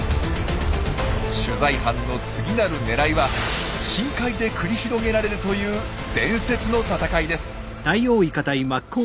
取材班の次なるねらいは深海で繰り広げられるという伝説の戦いです。